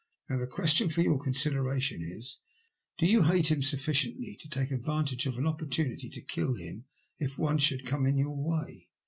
Now the question for your consideration is : Do you hate him sufficiently to take advantage of an opportunity to kill him if one should come in your way